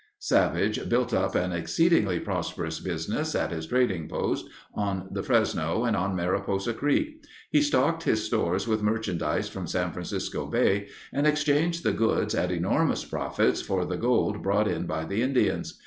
Savage built up an exceedingly prosperous business at his trading posts on the Fresno and on Mariposa Creek. He stocked his stores with merchandise from San Francisco Bay and exchanged the goods at enormous profits for the gold brought in by the Indians.